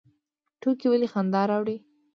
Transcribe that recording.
ټوکې ولې خندا راوړي؟